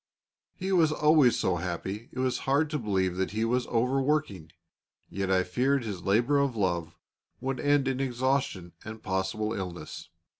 He was always so happy it was hard to believe that he was overworking; yet I feared his labour of love would end in exhaustion and possible illness.